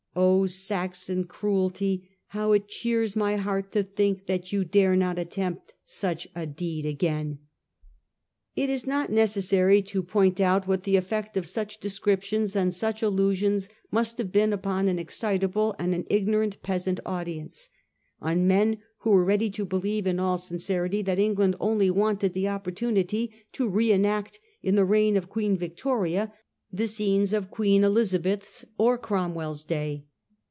Oh, Saxon cruelty, how it cheers my heart to think that you dare not attempt such a deed again !' It is not necessary to point out what the effect of such de scriptions and such allusions must have been upon an excitable and an ignorant peasant audience — on men who were ready to believe in all sincerity that England only wanted the opportunity to re enact in the reign of Queen Victoria the scenes of Elizabeth's or Cromwell's day.